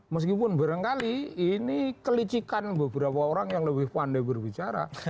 meskipun barangkali ini kelicikan beberapa orang yang lebih pandai berbicara